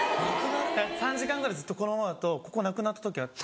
３時間ぐらいこのままだとここなくなった時があって。